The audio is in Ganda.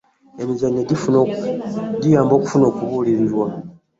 emizannyo gituyamba okufuna okubulirirwa